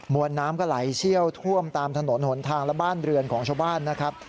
วนน้ำก็ไหลเชี่ยวท่วมตามถนนหนทางและบ้านเรือนของชาวบ้านนะครับ